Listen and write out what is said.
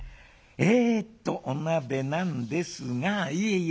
「えっとお鍋なんですがいえいえ